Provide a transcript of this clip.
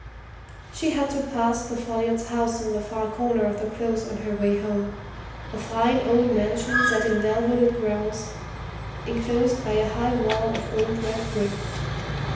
She had to pass the Folliots' house in the far corner of the Close on her way home a fine old mansion set in well wooded grounds, enclosed by a high wall of old red brick.